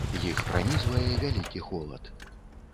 Іх пранізвае вялікі холад.